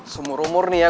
semuruh mur nih ya